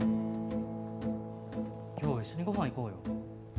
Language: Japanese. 今日一緒にご飯行こうよ。